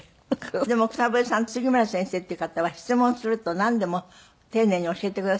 でも草笛さん杉村先生っていう方は質問するとなんでも丁寧に教えてくださったんですって？